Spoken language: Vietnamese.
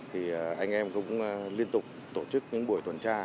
thì anh em cũng liên tục tổ chức những buổi tuần tra